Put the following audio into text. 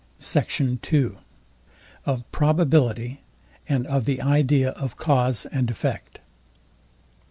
SECT. II. OF PROBABILITY, AND OF THE IDEA OF CAUSE AND EFFECT.